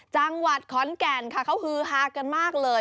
จังหวัดขอนแก่นค่ะเขาฮือฮากันมากเลย